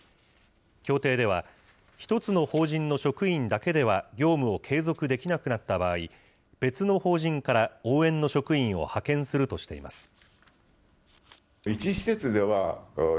協定では、１つの法人の職員だけでは業務を継続できなくなった場合、別の法人から応援の職員を派遣するとしています。